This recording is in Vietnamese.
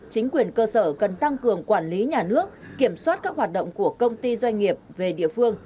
chính quyền cơ sở cần tăng cường quản lý nhà nước kiểm soát các hoạt động của công ty doanh nghiệp về địa phương